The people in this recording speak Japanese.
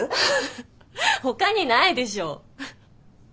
フフッほかにないでしょ。